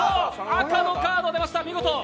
赤のカードが出ました、見事。